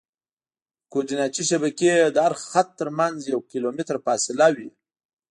د کورډیناتي شبکې د هر خط ترمنځ یو کیلومتر فاصله وي